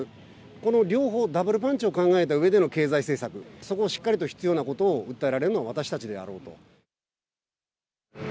この両方、ダブルパンチを考えたうえでの経済政策、そこをしっかりと必要なことを訴えられるのが私たちであろうと。